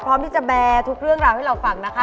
พร้อมที่จะแบร์ทุกเรื่องราวให้เราฟังนะคะ